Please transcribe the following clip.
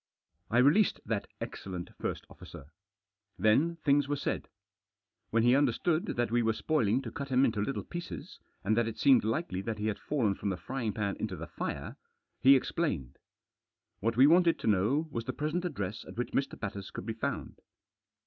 I released that excellent first officer. Then things were said. When he understood that we were spoiling to cut him up into little pieces, and that it seemed likely that he had fallen from the frying pan into the fire, he explained. What we wanted to know was the present address at which Mr. Batters could be found.